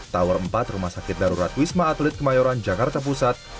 tower empat rumah sakit darurat wisma atlet kemayoran jakarta pusat